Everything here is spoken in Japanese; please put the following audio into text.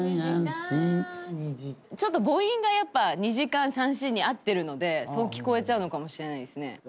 ちょっと母音がやっぱ「二時間三振」に合ってるのでそう聞こえちゃうのかもしれないですね。